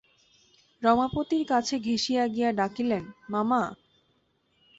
রমাপতির কাছে ঘেঁষিয়া গিয়া ডাকিলেন, মামা।